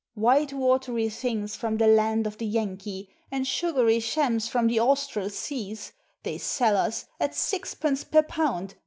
White watery things from the land of the Yankee, And sugary shams from the Austral seas, They sell us at sixpence per pound!